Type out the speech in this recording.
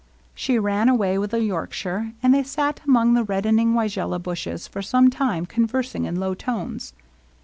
She ran away with the Yorkshire, and they sat among the reddening weigelia bushes for some time, conversing in low tones.